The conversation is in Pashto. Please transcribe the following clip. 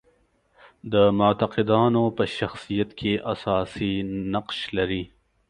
د معتقدانو په شخصیت کې اساسي نقش لري.